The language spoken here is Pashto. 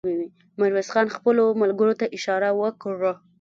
ميرويس خان خپلو ملګرو ته اشاره وکړه.